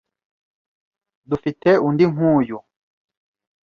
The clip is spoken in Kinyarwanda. Dufite undi nkuyu?